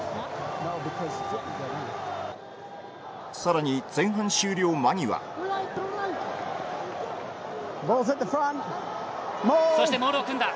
さらに前半終了間際そしてモールを組んだ。